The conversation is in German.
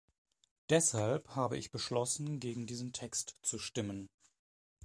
Deshalb habe ich beschlossen, gegen diesen Text zu stimmen.